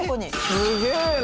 すげえな！